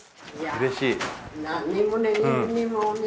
うれしい。